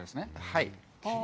はい。